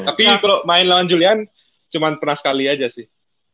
tapi kalau main lawan julian cuma pernah sekali aja sih